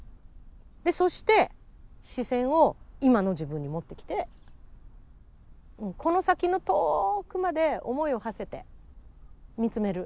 でそして視線を今の自分に持ってきてこの先の遠くまで思いをはせて見つめる。